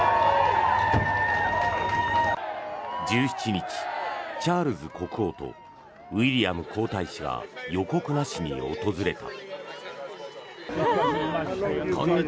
１７日、チャールズ国王とウィリアム皇太子が予告なしに訪れた。